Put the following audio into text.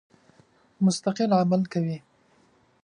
مستقل عمل کوي.